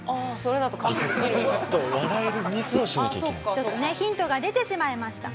ちょっとねヒントが出てしまいました。